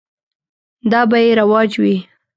دا به یې رواج وي.